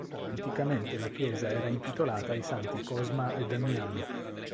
Anticamente la chiesa era intitolata ai santi Cosma e Damiano.